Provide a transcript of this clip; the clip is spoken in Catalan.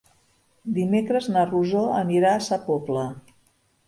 Dimecres na Rosó anirà a Sa Pobla.